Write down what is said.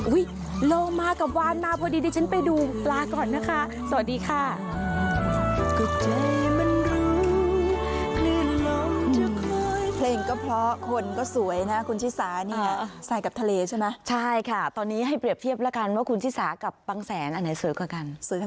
โลมากับวานมาพอดีดิฉันไปดูปลาก่อนนะคะสวัสดีค่ะ